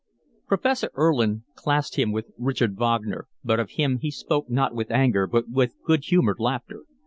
Professor Erlin classed him with Richard Wagner, but of him he spoke not with anger but with good humoured laughter.